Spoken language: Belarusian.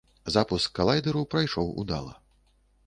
Запуск калайдэру прайшоў удала.